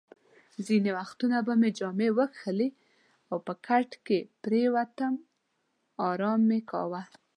ځینې وختونه به مې جامې وکښلې او په کټ کې پرېوتم، ارام مې کاوه.